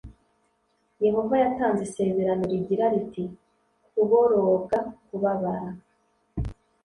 Yehova yatanze isezerano rigira riti kuboroga kubabara